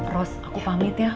ros aku pamit ya